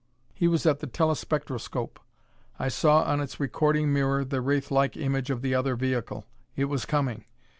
He was at the telespectroscope. I saw on its recording mirror the wraith like image of the other vehicle. It was coming!